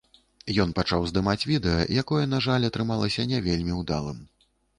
Ён пачаў здымаць відэа, якое, на жаль, атрымалася не вельмі ўдалым.